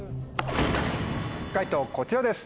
解答こちらです。